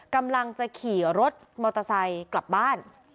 กำลังจะขี่รถมอเตอร์ไซค์กลับบ้าน